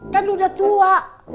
kan lu udah tua